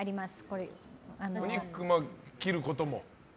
お肉、切ることも？